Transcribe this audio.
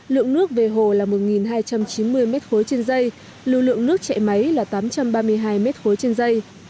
lượng nước về hồ là một hai trăm chín mươi m ba trên dây lưu lượng nước chạy máy là tám trăm ba mươi hai m ba trên dây